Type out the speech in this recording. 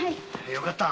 よかった！